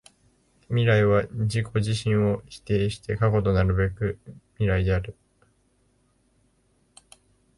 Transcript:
未来は自己自身を否定して過去となるべく未来である。